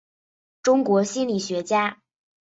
中国心理学家。